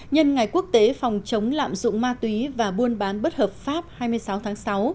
nhân ngày quốc tế phòng chống lạm dụng ma túy và buôn bán bất hợp pháp hai mươi sáu tháng sáu